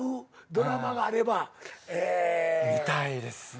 見たいですね。